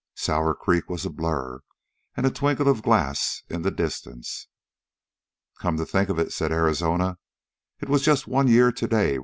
Sour Creek was a blur and a twinkle of glass in the distance. "Come to think of it," said Arizona, "it's just one year today.